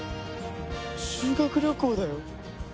修学旅行だよ？